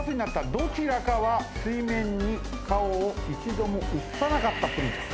どちらかは水面に顔を一度も映さなかったプリンセス。